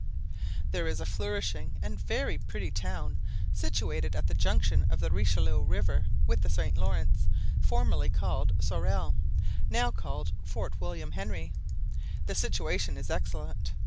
There is a flourishing and very pretty town situated at the junction of the Richelieu river with the St. Laurence, formerly called Sorel, now called Fort William Henry. The situation is excellent.